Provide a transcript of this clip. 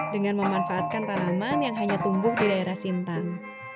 dengan memanfaatkan tanaman yang hanya tumbuh di daerah sintang